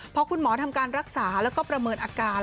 พอคุณหมอทำการรักษาแล้วก็ประเมินอาการ